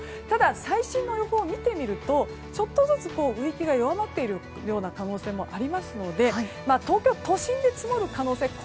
ただ、最新の予報を見てみるとちょっとずつ勢いが弱まっている可能性もありますので東京都心で積もる可能性